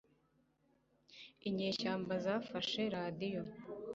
inyeshyamba zafashe radiyo